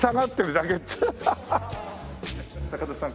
高田さん